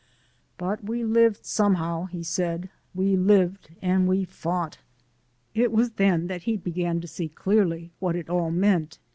"But we lived somehow," he said, "we lived and we fought." It was then that he began to see clearly what it all meant.